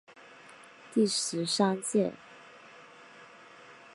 第十三届